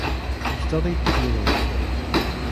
He studied to be an educator.